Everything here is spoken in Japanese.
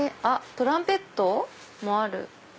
あっトランペットもある。